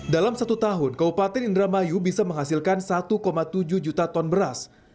dalam satu tahun kabupaten indramayu bisa menghasilkan satu tujuh juta ton beras